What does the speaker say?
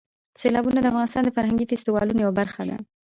سیلابونه د افغانستان د فرهنګي فستیوالونو یوه برخه ده.